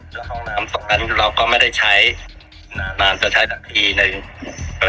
แล้วห้องน้ำศพนั้นเราก็ไม่ได้ใช้นานนานจะใช้สักทีหนึ่งเอ่อ